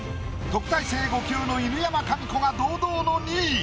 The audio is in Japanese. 特待生５級の犬山紙子が堂々の２位。